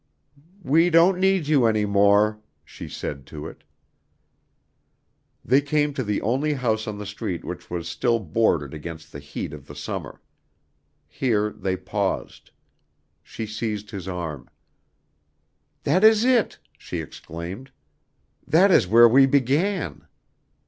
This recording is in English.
"We don't need you any more," she said to it. They came to the only house on the street which was still boarded against the heat of the summer. Here they paused. She seized his arm. "That is it," she exclaimed. "That is where we began!"